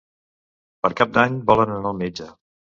Per Cap d'Any volen anar al metge.